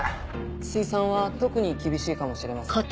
水産は特に厳しいかもしれません。